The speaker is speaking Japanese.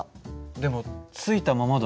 でもついたままだ。